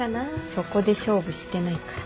そこで勝負してないから。